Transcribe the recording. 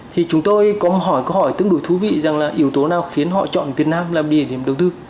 thì chúng tôi có một hỏi tương đối thú vị rằng là yếu tố nào khiến họ chọn việt nam làm địa điểm đầu tư